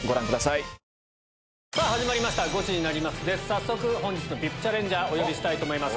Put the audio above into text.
早速本日のＶＩＰチャレンジャーお呼びしたいと思います。